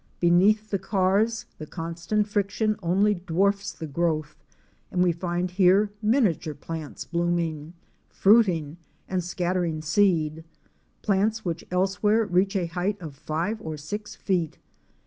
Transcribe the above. Beneath the cars the constant friction only dwarfs the growth, and we find here miniature plants blooming, fruiting, and scattering seed; plants which elsewhere reach a height of five or six feet.